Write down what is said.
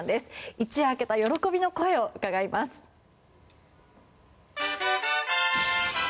一夜明けた喜びの声を伺います。